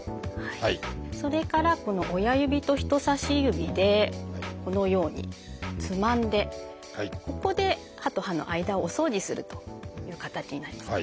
それからこの親指と人さし指でこのようにつまんでここで歯と歯の間をお掃除するという形になります。